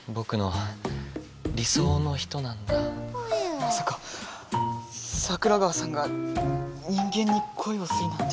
まさか桜川さんが人間にこいをするなんて。